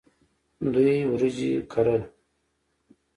دوی وریجې کرل.